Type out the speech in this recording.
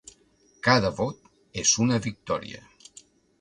Cada vot és una victòria.